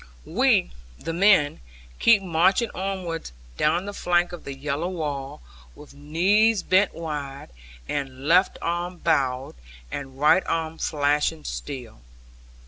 We, the men, kept marching onwards down the flank of the yellow wall, with knees bent wide, and left arm bowed and right arm flashing steel.